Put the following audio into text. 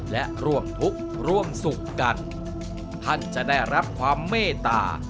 และร่วมทุกข์ร่วมสุขกันท่านจะได้รับความเมตตา